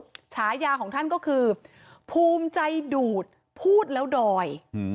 พระราชสุขฉายาของท่านก็คือภูมิใจดูดพูดแล้วดอย